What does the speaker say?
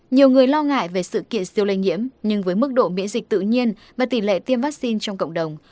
nhiều người lo ngại về sự kiện siêu lây nhiễm nhưng với mức độ miễn dịch tự nhiên và tỷ lệ tiêm vaccine trong cộng đồng